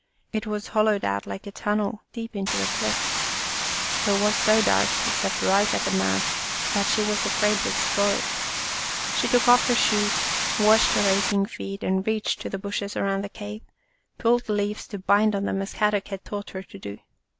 It was hollowed out like a tunnel deep into the cliff, but was so dark, except right at the mouth, that she was afraid to explore it. She took off her shoes, washed her aching feet, and reaching to the bushes around the cave, pulled leaves to bind on them as Kadok had taught her to do.